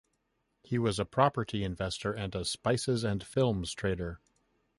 He was a property investor and a spices and films trader.